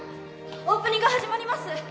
オープニング始まります。